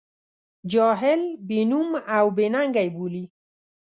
جاهل، بې نوم او بې ننګه یې بولي.